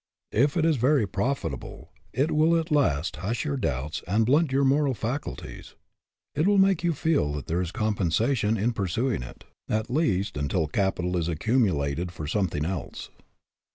If it is very profit able, it will at last hush your doubts and blunt your moral faculties. It will make you feel that there is compensation in pursuing it, at least until capital is accumulated for some 126 HAS YOUR VOCATION APPROVAL thing else.